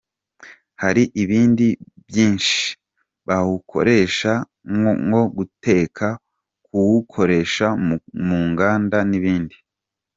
Hari ibindi byinshi bawukoresha nko guteka, kuwukoresha mu nganda n’ibindi”.